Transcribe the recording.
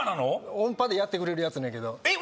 音波でやってくれるやつやねんけどえっ